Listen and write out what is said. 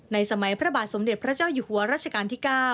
สมัยพระบาทสมเด็จพระเจ้าอยู่หัวรัชกาลที่๙